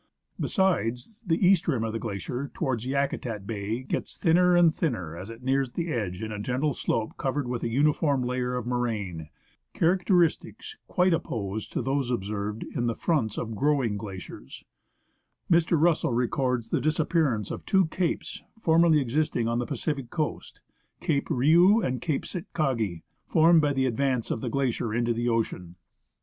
Besides, the east rim of the glacier, towards Yakutat Bay, gets thinner and thinner as it nears the edge in a gentle slope covered with a uniform layer of moraine, characteristics quite opposed to those observed in the fronts of growing glaciers, Mr. Russell records the disappearance of two capes formerly existing on the Pacific coast (Cape Riou and Cape Sitkagi), formed by the advance of the glacier into the ocean.